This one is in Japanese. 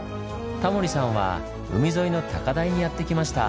タモリさんは海沿いの高台にやって来ました。